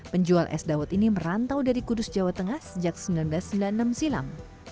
penjual es dawet ini merantau dari kudus jawa tengah sejak seribu sembilan ratus sembilan puluh enam silam